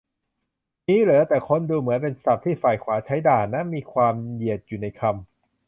งี้เหรอ แต่ค้นดูเหมือนเป็นศัพท์ที่ฝ่ายขวาใช้ด่านะ มีความเหยียดอยู่ในคำ - -